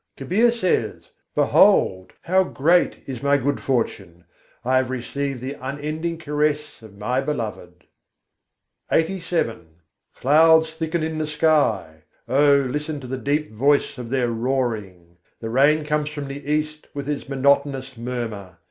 Kabîr says: "Behold! how great is my good fortune! I have received the unending caress of my Beloved!" LXXXVII I. 71. gagan ghatâ ghaharânî, sâdho Clouds thicken in the sky! O, listen to the deep voice of their roaring; The rain comes from the east with its monotonous murmur.